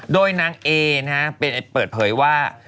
โดยนางเอเป็นไอ้เปิดเผยว่า